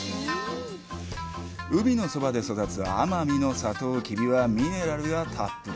海のそばで育つ奄美のサトウキビはミネラルがたっぷり。